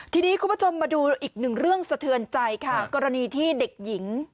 ทีนี้คุณผู้ชมมาดูอีกหนึ่งเรื่องสะเทือนใจค่ะกรณีที่เด็กหญิง